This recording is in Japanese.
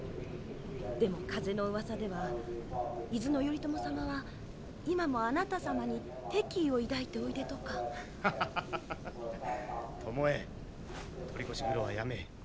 でも風のうわさでは伊豆の頼朝様は今もあなた様に敵意を抱いておいでとか。ハハハハハハ巴取り越し苦労はやめい。